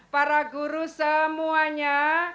para guru semuanya